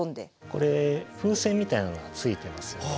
これ風船みたいなのがついてますよね。